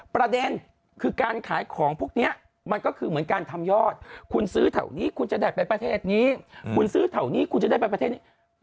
ประเด็นคือการขายของพวกนี้มันก็คือเหมือนการทำยอดคุณซื้อแถวนี้คุณจะได้ไปประเทศนี้คุณซื้อแถวนี้คุณจะได้ไปประเทศนี้